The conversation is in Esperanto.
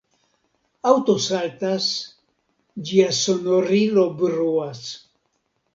Aŭto saltas, ĝia sonorilo bruas